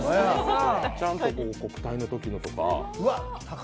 ちゃんと国体のときのとか